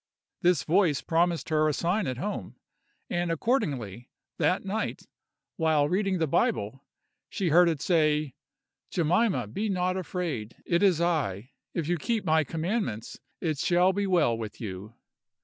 This voice promised her a sign at home; and accordingly, that night, while reading the Bible, she heard it say, "Jemima, be not afraid; it is I: if you keep my commandments it shall be well with you."